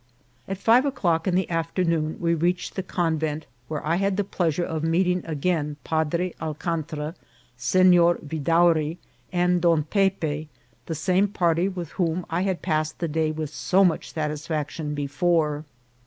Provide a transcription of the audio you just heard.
At five o'clock in the afternoon we reached the con vent, where I had the pleasure of meeting again Padre Alcantra, Senor Vidaury, and Don Pepe, the same party with whom I had passed the day with so much satisfaction before.